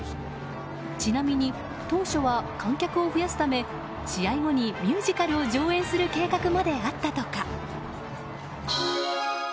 ちなみに当初は観客を増やすため試合後にミュージカルを上演する計画まであったとか。